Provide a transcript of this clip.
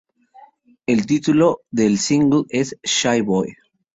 El título del single es "Shy Boy".